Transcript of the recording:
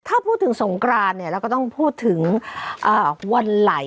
ถ้าพูดถึงสงกรานเนี่ยเราก็ต้องพูดถึงวันไหล